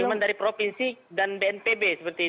cuma dari provinsi dan bnpb